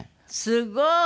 すごい。